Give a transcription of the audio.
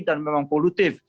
dan memang polutif